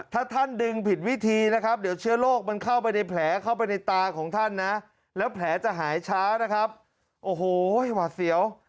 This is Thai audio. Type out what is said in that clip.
ถ้าท่านดึงผิดวิธีนะครับเดี๋ยวเชื้อโรคมันเข้าไปในแผลเข้าไปในตาของท่านนะแล้วแผลจะหายช้านะครับโอ้โหหวัดเสียว